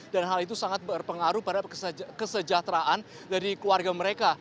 dan hal itu sangat berpengaruh pada kesejahteraan dari keluarga mereka